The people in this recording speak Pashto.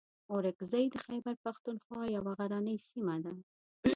اورکزۍ د خیبر پښتونخوا یوه غرنۍ سیمه ده.